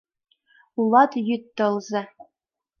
Улат йӱд тылзе.